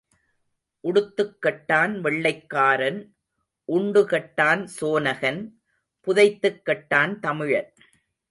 உடுத்துக் கெட்டான் வெள்ளைக்காரன் உண்டு கெட்டான் சோனகன் புதைத்துக் கெட்டான் தமிழன்.